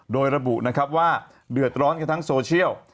โดยระบุนะครับว่าเดือดร้อนกันทั้งโซเชียล